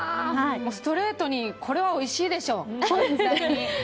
ストレートにこれはおいしいでしょ。